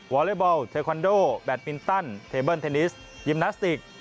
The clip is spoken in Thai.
อเลอร์บอลเทคอนโดแบตมินตันเทเบิ้ลเทนนิสยิมนาสติก